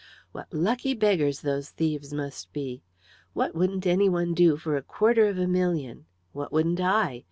"What lucky beggars those thieves must be! What wouldn't any one do for a quarter of a million what wouldn't I?